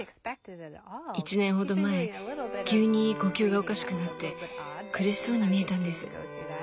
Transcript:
１年ほど前急に呼吸がおかしくなって苦しそうに見えたんです。